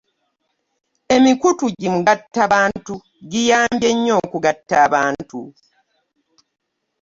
Emikutu gi mugattabantu giyambye nnyo okugatta abantu.